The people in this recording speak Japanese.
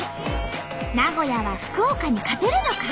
名古屋は福岡に勝てるのか？